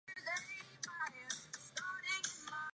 语音未落